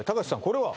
これは？